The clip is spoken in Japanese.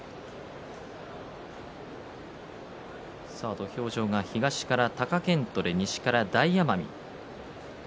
土俵上が東から貴健斗で西から大奄美。